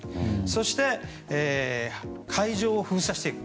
そして、海上を封鎖していく。